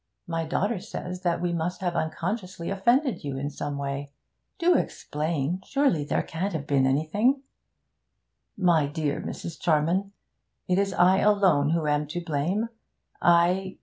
My daughter says that we must have unconsciously offended you in some way. Do explain! Surely there can't have been anything' 'My dear Mrs. Charman, it is I alone who am to blame. I...